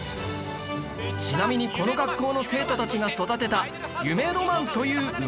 ちなみにこの学校の生徒たちが育てたユメロマンという馬